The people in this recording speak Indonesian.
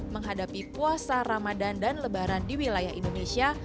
menghadapi puasa ramadan dan lebaran di wilayah indonesia